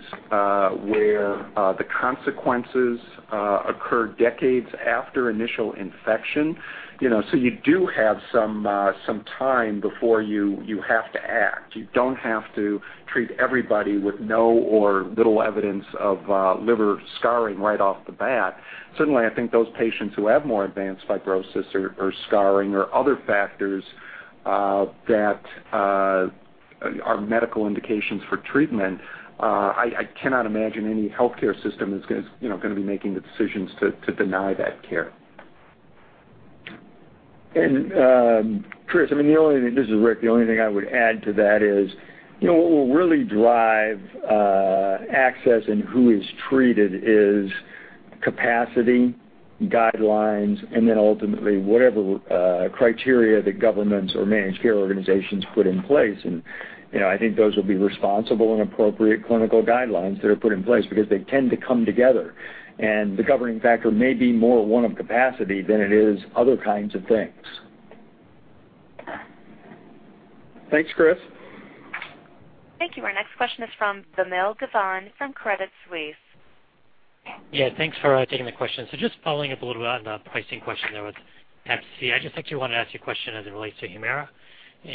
where the consequences occur decades after initial infection, so you do have some time before you have to act. You don't have to treat everybody with no or little evidence of liver scarring right off the bat. Certainly, I think those patients who have more advanced fibrosis or scarring or other factors that are medical indications for treatment, I cannot imagine any healthcare system is going to be making the decisions to deny that care. Chris, this is Rick, the only thing I would add to that is what will really drive access and who is treated is capacity, guidelines, then ultimately whatever criteria the governments or managed care organizations put in place. I think those will be responsible and appropriate clinical guidelines that are put in place because they tend to come together. The governing factor may be more one of capacity than it is other kinds of things. Thanks, Chris. Thank you. Our next question is from Vamil Divan from Credit Suisse. Thanks for taking the question. Just following up a little bit on the pricing question there with hep C. I just actually want to ask you a question as it relates to HUMIRA.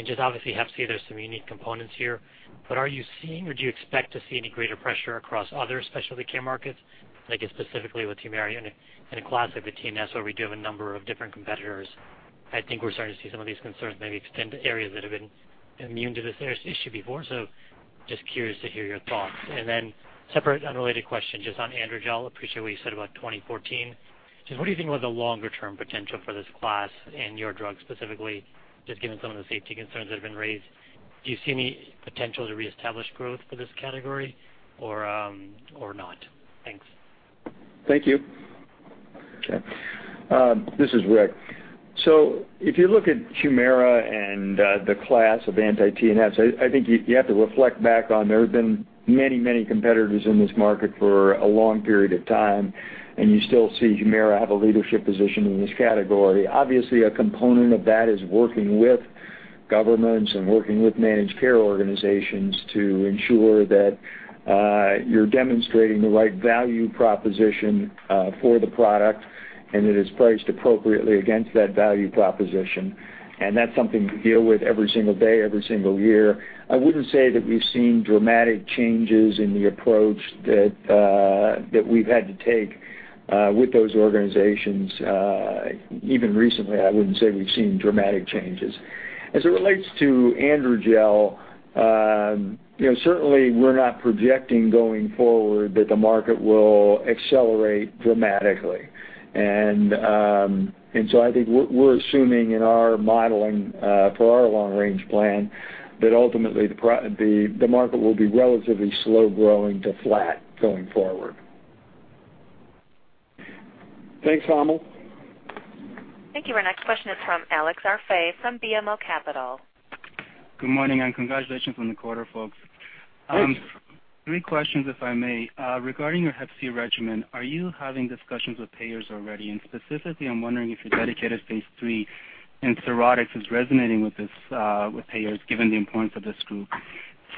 Just obviously hep C, there's some unique components here. Are you seeing or do you expect to see any greater pressure across other specialty care markets, I guess specifically with HUMIRA and a class of TNFs where we do have a number of different competitors? I think we're starting to see some of these concerns maybe extend to areas that have been immune to this issue before. Just curious to hear your thoughts. Separate unrelated question just on AndroGel. Appreciate what you said about 2014. What do you think about the longer-term potential for this class and your drug specifically, just given some of the safety concerns that have been raised? Do you see any potential to reestablish growth for this category or not? Thanks. Thank you. Okay. This is Rick. If you look at HUMIRA and the class of anti-TNFs, I think you have to reflect back on there have been many competitors in this market for a long period of time, and you still see HUMIRA have a leadership position in this category. Obviously, a component of that is working with governments and working with managed care organizations to ensure that you're demonstrating the right value proposition for the product and it is priced appropriately against that value proposition. That's something we deal with every single day, every single year. I wouldn't say that we've seen dramatic changes in the approach that we've had to take with those organizations. Even recently, I wouldn't say we've seen dramatic changes. As it relates to AndroGel, certainly we're not projecting going forward that the market will accelerate dramatically. I think we're assuming in our modeling for our long-range plan that ultimately the market will be relatively slow growing to flat going forward. Thanks, Vamil. Thank you. Our next question is from Alex Arfaei from BMO Capital. Good morning, congratulations on the quarter, folks. Thanks. Three questions, if I may. Regarding your Hep C regimen, are you having discussions with payers already? Specifically, I'm wondering if your dedicated phase III in cirrhotics is resonating with payers, given the importance of this group.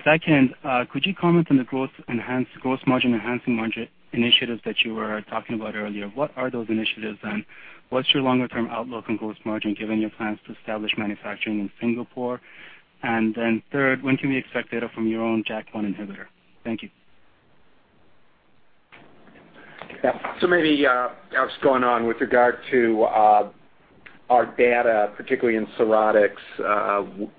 Second, could you comment on the gross margin enhancing initiatives that you were talking about earlier? What are those initiatives, and what's your longer-term outlook on gross margin, given your plans to establish manufacturing in Singapore? Then third, when can we expect data from your own JAK1 inhibitor? Thank you. Yeah. Many ups going on with regard to our data, particularly in cirrhotics,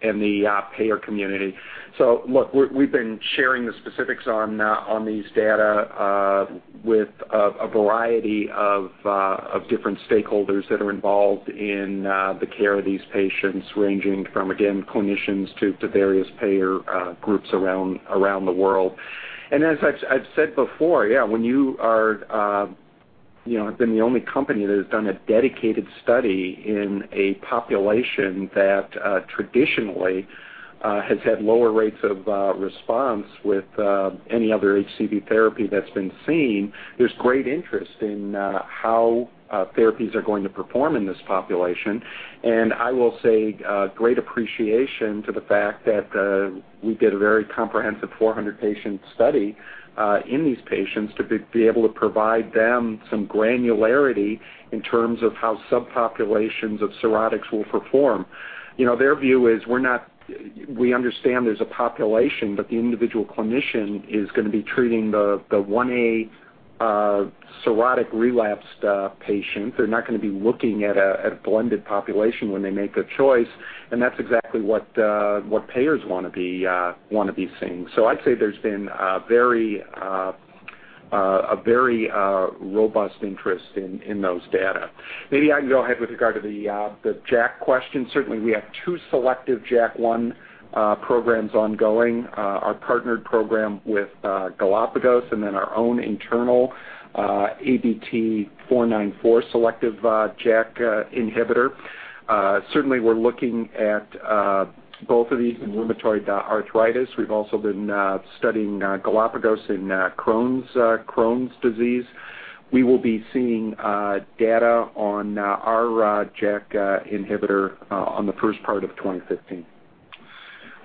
and the payer community. Look, we've been sharing the specifics on these data with a variety of different stakeholders that are involved in the care of these patients, ranging from, again, clinicians to various payer groups around the world. As I've said before, yeah, when you have been the only company that has done a dedicated study in a population that traditionally has had lower rates of response with any other HCV therapy that's been seen, there's great interest in how therapies are going to perform in this population. I will say great appreciation to the fact that we did a very comprehensive 400-patient study in these patients to be able to provide them some granularity in terms of how subpopulations of cirrhotics will perform. Their view is, we understand there's a population, but the individual clinician is going to be treating the 1A cirrhotic relapsed patient. They're not going to be looking at a blended population when they make a choice, and that's exactly what payers want to be seeing. I'd say there's been a very robust interest in those data. Maybe I can go ahead with regard to the JAK question. Certainly, we have two selective JAK1 programs ongoing, our partnered program with Galapagos, and then our own internal ABT-494 selective JAK inhibitor. Certainly, we're looking at both of these in rheumatoid arthritis. We've also been studying Galapagos in Crohn's disease. We will be seeing data on our JAK inhibitor on the first part of 2015.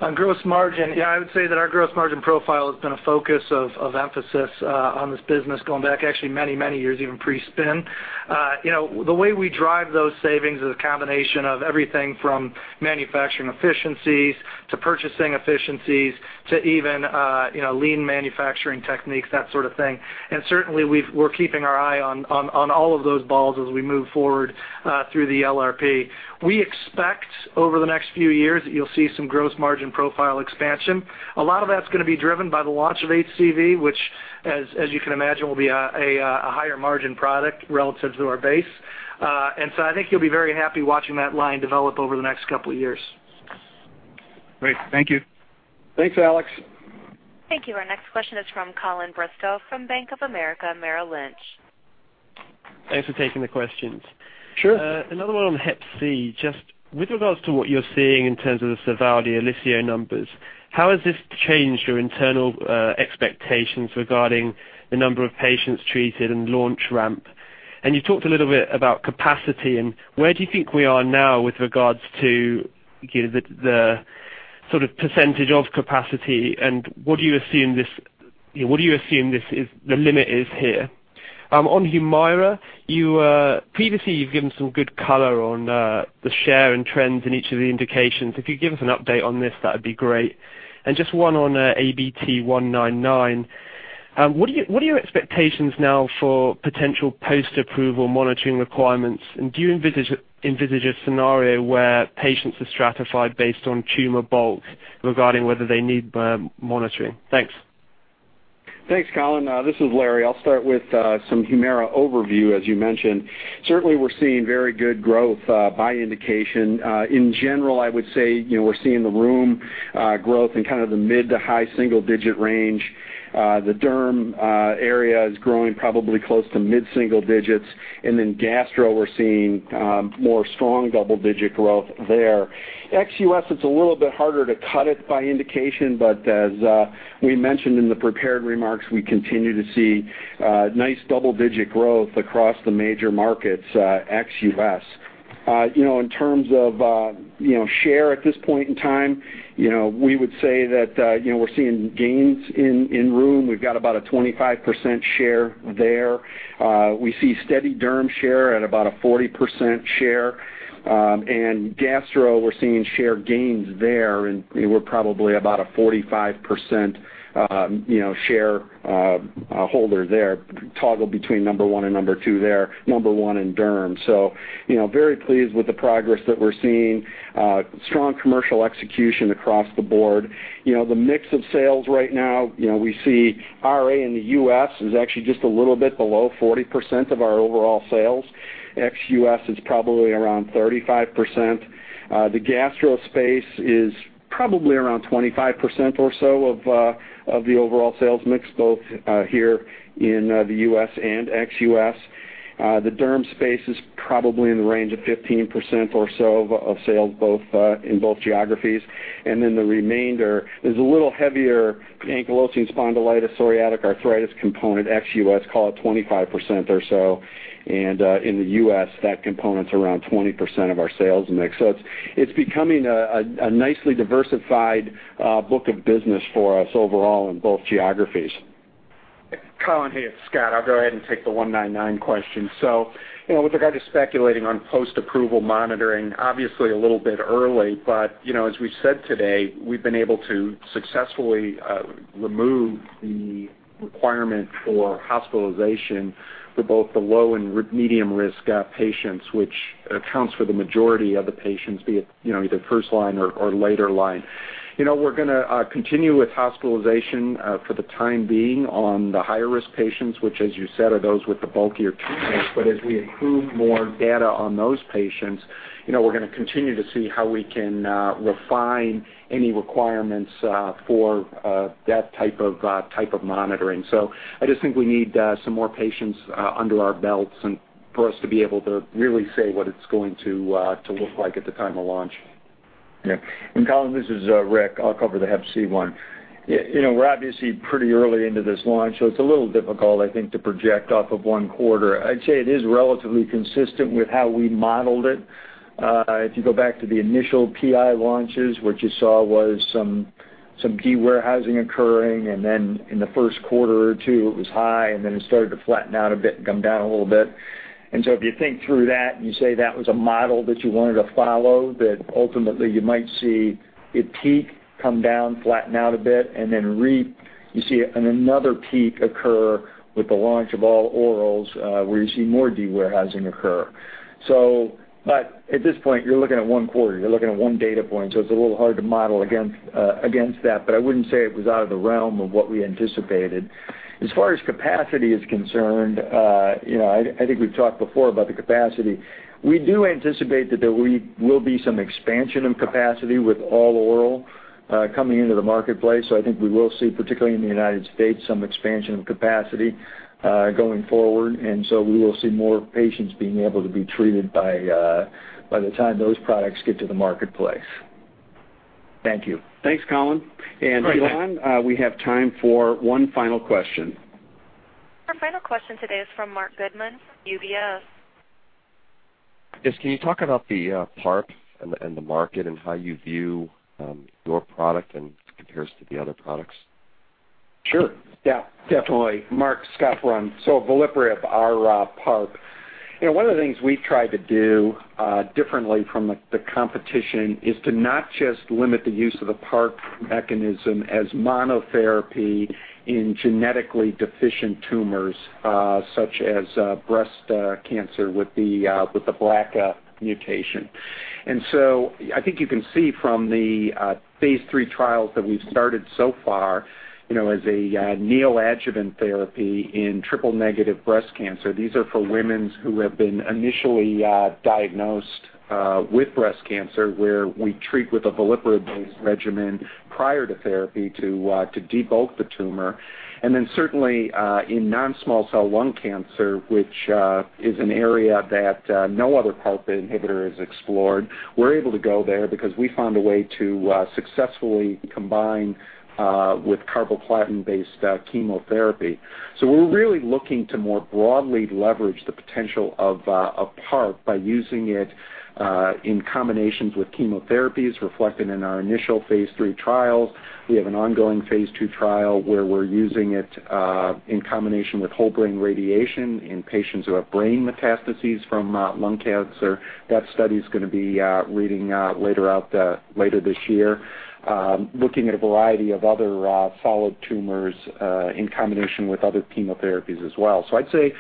On gross margin, yeah, I would say that our gross margin profile has been a focus of emphasis on this business going back actually many years, even pre-spin. The way we drive those savings is a combination of everything from manufacturing efficiencies to purchasing efficiencies to even lean manufacturing techniques, that sort of thing. Certainly, we're keeping our eye on all of those balls as we move forward through the LRP. We expect over the next few years that you'll see some gross margin profile expansion. A lot of that's going to be driven by the launch of HCV, which, as you can imagine, will be a higher margin product relative to our base. I think you'll be very happy watching that line develop over the next couple of years. Great. Thank you. Thanks, Alex. Thank you. Our next question is from Colin Bristow from Bank of America Merrill Lynch. Thanks for taking the questions. Sure. Another one on hep C. Just with regards to what you're seeing in terms of the Sovaldi, Olysio numbers, how has this changed your internal expectations regarding the number of patients treated and launch ramp? You talked a little bit about capacity, and where do you think we are now with regards to the sort of percentage of capacity, and what do you assume the limit is here? On HUMIRA, previously, you've given some good color on the share and trends in each of the indications. If you could give us an update on this, that'd be great. Just one on ABT-199. What are your expectations now for potential post-approval monitoring requirements, and do you envisage a scenario where patients are stratified based on tumor bulk regarding whether they need monitoring? Thanks. Thanks, Colin. This is Larry. I'll start with some HUMIRA overview, as you mentioned. Certainly, we're seeing very good growth by indication. In general, I would say, we're seeing the rheum growth in kind of the mid to high single-digit range. The derm area is growing probably close to mid-single digits, and gastro, we're seeing more strong double-digit growth there. Ex-U.S., it's a little bit harder to cut it by indication, but as we mentioned in the prepared remarks, we continue to see nice double-digit growth across the major markets, ex-U.S. In terms of share at this point in time, we would say that we're seeing gains in rheum. We've got about a 25% share there. We see steady derm share at about a 40% share. Gastro, we're seeing share gains there, and we're probably about a 45% share holder there, toggle between number 1 and number 2 there, number 1 in derm. Very pleased with the progress that we're seeing, strong commercial execution across the board. The mix of sales right now, we see RA in the U.S. is actually just a little bit below 40% of our overall sales. Ex-U.S. is probably around 35%. The gastro space is probably around 25% or so of the overall sales mix, both here in the U.S. and ex-U.S. The derm space is probably in the range of 15% or so of sales in both geographies. The remainder is a little heavier ankylosing spondylitis, psoriatic arthritis component, ex-U.S., call it 25% or so. In the U.S., that component's around 20% of our sales mix. It's becoming a nicely diversified book of business for us overall in both geographies. Colin, hey, it's Scott. I'll go ahead and take the ABT-199 question. With regard to speculating on post-approval monitoring, obviously a little bit early, but as we've said today, we've been able to successfully remove the requirement for hospitalization for both the low and medium risk patients, which accounts for the majority of the patients, be it either first-line or later-line. We're going to continue with hospitalization for the time being on the higher risk patients, which as you said, are those with the bulkier treatments. As we accrue more data on those patients, we're going to continue to see how we can refine any requirements for that type of monitoring. I just think we need some more patients under our belts and for us to be able to really say what it's going to look like at the time of launch. Yeah. Colin, this is Rick. I'll cover the hep C one. We're obviously pretty early into this launch, so it's a little difficult, I think, to project off of one quarter. I'd say it is relatively consistent with how we modeled it. If you go back to the initial PI launches, what you saw was some de-warehousing occurring, and then in the first quarter or two, it was high, and then it started to flatten out a bit and come down a little bit. If you think through that, and you say that was a model that you wanted to follow, that ultimately you might see it peak, come down, flatten out a bit, and then you see another peak occur with the launch of all orals where you see more de-warehousing occur. At this point, you're looking at one quarter, you're looking at one data point, so it's a little hard to model against that. I wouldn't say it was out of the realm of what we anticipated. As far as capacity is concerned, I think we've talked before about the capacity. We do anticipate that there will be some expansion of capacity with all oral coming into the marketplace. I think we will see, particularly in the U.S., some expansion of capacity going forward. We will see more patients being able to be treated by the time those products get to the marketplace. Thank you. Thanks, Colin. Great. Elan, we have time for one final question. Our final question today is from Marc Goodman, UBS. Yes, can you talk about the PARP and the market and how you view your product in comparison to the other products? Sure. Yeah, definitely. Marc, Scott Brun. Veliparib, our PARP. One of the things we've tried to do differently from the competition is to not just limit the use of the PARP mechanism as monotherapy in genetically deficient tumors, such as breast cancer with the BRCA mutation. I think you can see from the phase III trials that we've started so far as a neoadjuvant therapy in triple-negative breast cancer. These are for women who have been initially diagnosed with breast cancer, where we treat with a Veliparib-based regimen prior to therapy to debulk the tumor. Certainly in non-small cell lung cancer, which is an area that no other PARP inhibitor has explored, we're able to go there because we found a way to successfully combine with carboplatin-based chemotherapy. We're really looking to more broadly leverage the potential of PARP by using it in combinations with chemotherapies reflected in our initial phase III trials. We have an ongoing phase II trial where we're using it in combination with whole brain radiation in patients who have brain metastases from lung cancer. That study's going to be reading later this year. Looking at a variety of other solid tumors in combination with other chemotherapies as well. I'd say,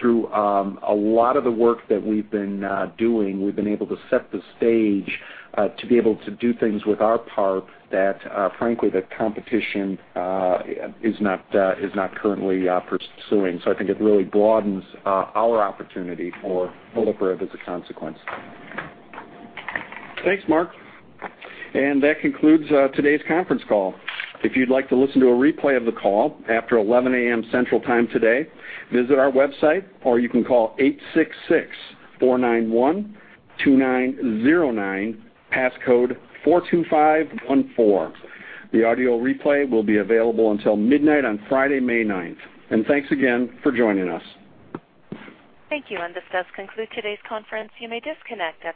through a lot of the work that we've been doing, we've been able to set the stage to be able to do things with our PARP that frankly, the competition is not currently pursuing. I think it really broadens our opportunity for Veliparib as a consequence. Thanks, Marc. That concludes today's conference call. If you'd like to listen to a replay of the call after 11:00 A.M. Central Time today, visit our website, or you can call 866-491-2909, passcode 42514. The audio replay will be available until midnight on Friday, May 9th. Thanks again for joining us. Thank you, this does conclude today's conference. You may disconnect.